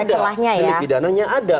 delik pidananya ada